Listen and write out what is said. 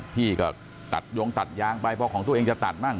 พี่ก็ตัดโยงตัดยางไปเพราะของตัวเองจะตัดมั่ง